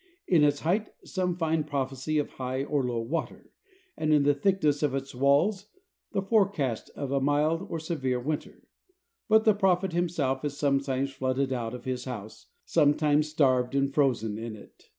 In its height, some find prophecy of high or low water, and in the thickness of its walls the forecast of a mild or severe winter, but the prophet himself is sometimes flooded out of his house, sometimes starved and frozen in it.